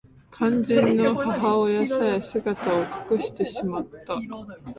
肝心の母親さえ姿を隠してしまった